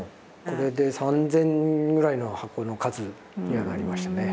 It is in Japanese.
これで３，０００ぐらいの箱の数にはなりましたね。